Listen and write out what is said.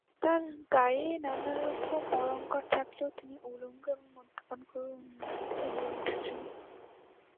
তাঁর গায়ে নানারকম অলংকার থাকলেও, তিনি উলঙ্গ এবং মদ্যপান করে উন্মত্ত হয়ে উঠেছেন।